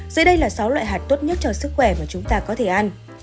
dưới đây là sáu loại hạt tốt nhất cho sức khỏe mà chúng ta có thể ăn